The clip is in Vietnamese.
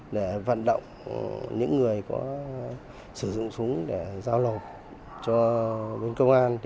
để vận động những người có sử dụng súng để giao lộp cho bên công an